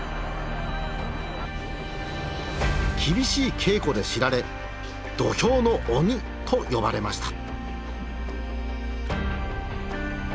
厳しい稽古で知られ土俵の鬼と呼ばれました。